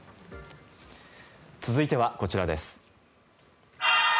続いてはこちらです。